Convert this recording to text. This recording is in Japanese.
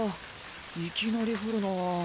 いきなり降るなぁ。